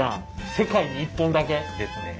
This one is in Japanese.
世界に１本だけ？ですね。